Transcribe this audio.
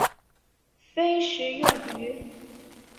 非食用鱼。